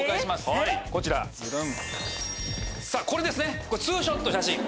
さぁこれですねツーショット写真。